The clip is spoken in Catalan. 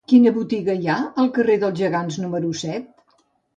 Quina botiga hi ha al carrer dels Gegants número set?